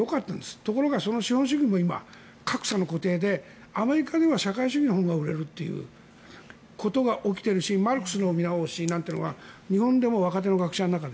ところが、その資本主義も今格差の固定でアメリカでは社会主義の本が売れるということが起きているしマルクスの見直しみたいなものが日本でも若手の学者の中で。